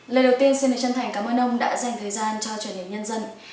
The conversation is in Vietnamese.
lời đầu tiên xin được chân thành cảm ơn ông đã dành thời gian cho truyền hình nhân dân